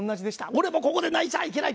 俺もここで泣いちゃいけない。